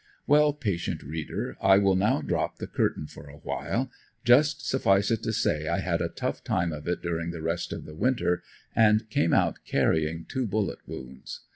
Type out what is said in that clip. Well, patient reader, I will now drop the curtain for awhile. Just suffice it to say I had a tough time of it during the rest of the winter and came out carrying two bullet wounds.